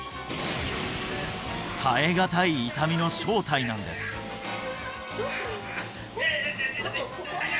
耐え難い痛みの正体なんですイテテテ！